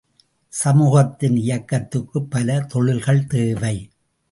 சமூகத்தின் இயக்கத்துக்குப் பல தொழில்கள் தேவை.